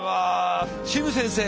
シム先生